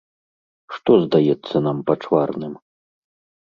Што здаецца нам пачварным?